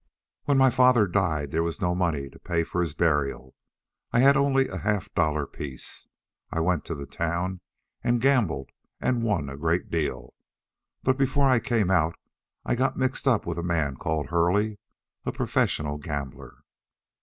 "When my father died there was no money to pay for his burial. I had only a half dollar piece. I went to the town and gambled and won a great deal. But before I came out I got mixed up with a man called Hurley, a professional gambler."